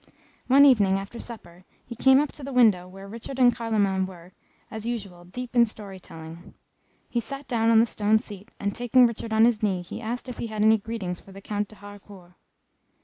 One evening, after supper, he came up to the window where Richard and Carloman were, as usual, deep in story telling; he sat down on the stone seat, and taking Richard on his knee, he asked if he had any greetings for the Count de Harcourt.